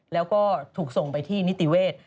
แล้วก็ถูกส่งไปที่นิติเวศ